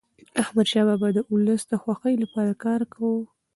احمدشاه بابا د ولس د خوښی لپاره کار کاوه.